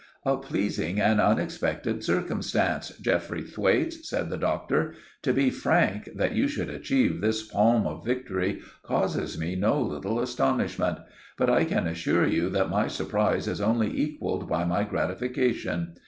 "A pleasing and unexpected circumstance, Geoffrey Thwaites," said the Doctor. "To be frank, that you should achieve this palm of victory causes me no little astonishment; but I can assure you that my surprise is only equalled by my gratification.